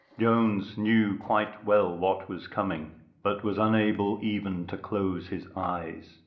Jones knew quite well what was coming, but was unable even to close his eyes.